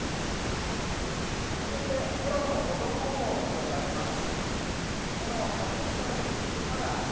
続いて、メロンの保存方法をご紹介します。